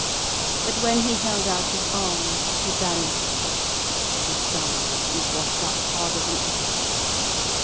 But when he held out his arms she vanished. He sighed and washed up harder than ever.